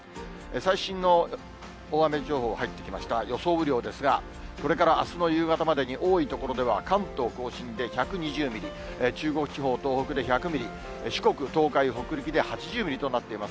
雨量ですが、これからあすの夕方までに、多い所では、関東甲信で１２０ミリ、中国地方、東北で１００ミリ、四国、東海、北陸で８０ミリとなっています。